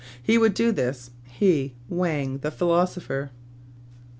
He would do this, he, Wang the philosopher.